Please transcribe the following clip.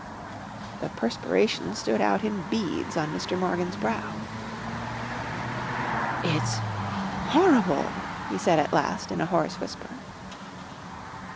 The perspiration stood out in beads on Mr. Morgan's brow. "It's horrible," he said at last in a hoarse whisper.